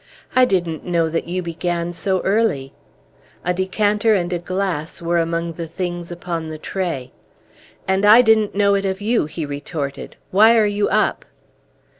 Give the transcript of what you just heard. "I didn't know that you began so early!" A decanter and a glass were among the things upon the tray. "And I didn't know it of you," he retorted. "Why are you up?"